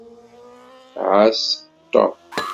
Ɛass Tom.